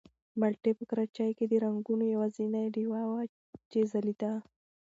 مالټې په کراچۍ کې د رنګونو یوازینۍ ډېوه وه چې ځلېده.